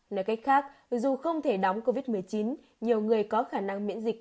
nói cách khác dù không thể đóng covid một mươi chín nhiều người có khả năng miễn dịch